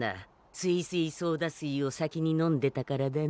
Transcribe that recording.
すいすいソーダ水を先に飲んでたからだね。